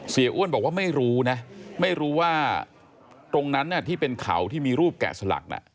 อ้วนบอกว่าไม่รู้นะไม่รู้ว่าตรงนั้นที่เป็นเขาที่มีรูปแกะสลัก